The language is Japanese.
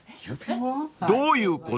［どういうこと？］